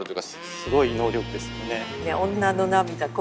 すごい能力ですよね。